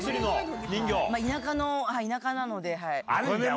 まぁ田舎なので。